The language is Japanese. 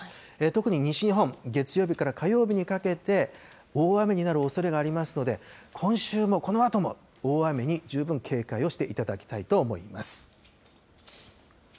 特に西日本、月曜日から火曜日にかけて大雨になるおそれがありますので、今週も、このあとも、大雨に十分警戒をしていただきたいと思います。